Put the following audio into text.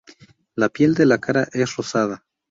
La piel de la cara es rosada.